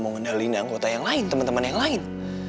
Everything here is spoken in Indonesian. lo mau ngendalikan anggota yang lain temen temen yang lain